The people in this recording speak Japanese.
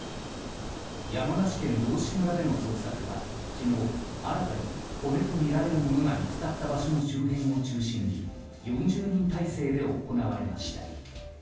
山梨県道志村での捜索は昨日、新たに骨とみられるものが見つかった場所の周辺を中心に４０人態勢で行われました。